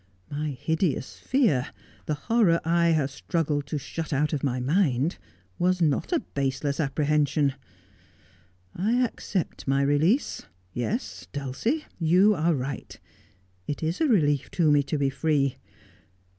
My hideous fear — the horror I have struggled to shut out of my mind — was not a baseless ajDprehension. I accept my release. Yes, Dulcie, you are right. It is a relief to me to be free.